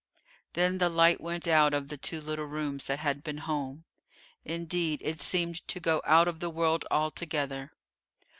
Then the light went out of the two little rooms that had been home; indeed, it seemed to go out of the world altogether.